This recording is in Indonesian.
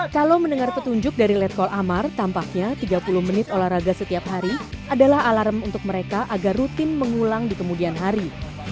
kalau mendengar petunjuk dari letkol amar tampaknya tiga puluh menit olahraga setiap hari adalah alarm untuk mereka agar rutin mengulang di kemudian hari